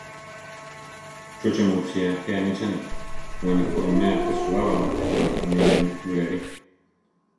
¿Chúche mu sía je anichani: we ne koʼiméa peʼsuwaba ma tamí buléli?